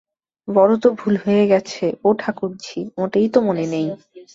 বড় তো ভুল হয়ে গেছে, ও ঠাকুরঝি, মোটেই তো মনে নেই।